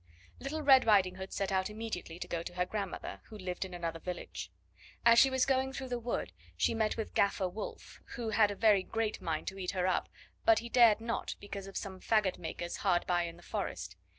Little Red Riding Hood set out immediately to go to her grandmother, who lived in another village. As she was going through the wood, she met with Gaffer Wolf, who had a very great mind to eat her up, but he dared not, because of some faggot makers hard by in the forest.